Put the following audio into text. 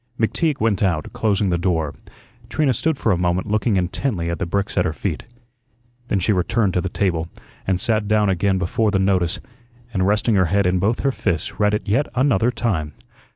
McTeague went out, closing the door. Trina stood for a moment looking intently at the bricks at her feet. Then she returned to the table, and sat down again before the notice, and, resting her head in both her fists, read it yet another time.